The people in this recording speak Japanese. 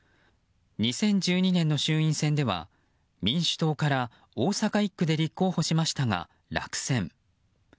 ２０１２年での衆院選では民主党から大阪１区で立候補しましたが落選。